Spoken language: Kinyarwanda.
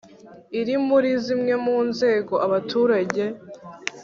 iri muri zimwe mu nzego abaturage